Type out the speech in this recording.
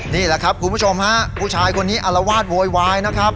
นี่แหละครับคุณผู้ชมฮะผู้ชายคนนี้อารวาสโวยวายนะครับ